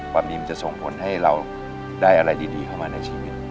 ความดีมันจะส่งผลให้เราได้อะไรดีเข้ามาในชีวิต